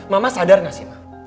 mama sadar gak sih ma